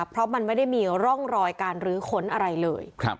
เพราะมันไม่ได้มีร่องรอยการรื้อค้นอะไรเลย